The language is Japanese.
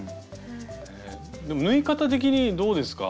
でも縫い方的にどうですか？